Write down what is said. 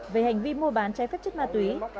về hành vi mua bán trái phép chất ma túy